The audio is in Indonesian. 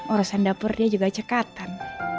urusan dapur dia juga cekatan